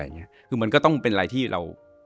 คือมันก็ต้องเป็นอะไรที่เรา